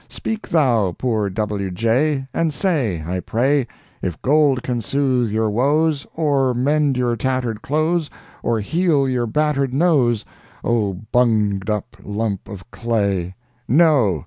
Speak thou! poor W. J.! And say— I pray— If gold can soothe your woes, Or mend your tattered clothes, Or heal your battered nose, Oh bunged up lump of clay! No!